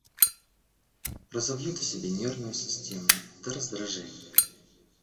Разовьют в себе нервную систему до раздражения...